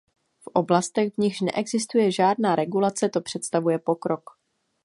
V oblastech, v nichž neexistuje žádná regulace, to představuje pokrok.